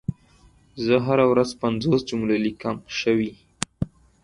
زه هره ورځ پنځوس جملي ليکم شوي